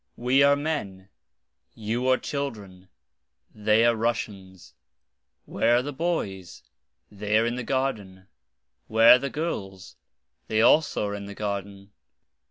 We are men. You are children. They are Russians. Where are the boys? They are in the garden. Where are the girls? They also are in the garden.